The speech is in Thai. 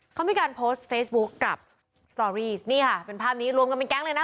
เขามีการโพสต์เฟซบุ๊คกับสตอรี่นี่ค่ะเป็นภาพนี้รวมกันเป็นแก๊งเลยนะ